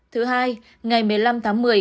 thứ hai ngày một mươi năm tháng một mươi